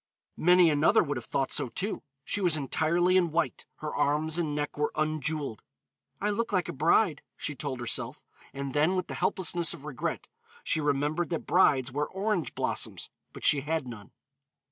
Many another would have thought so, too. She was entirely in white; her arms and neck were unjeweled. "I look like a bride," she told herself, and then, with the helplessness of regret, she remembered that brides wear orange blossoms, but she had none.